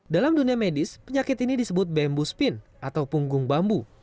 dalam dunia medis penyakit ini disebut bembuspin atau punggung bambu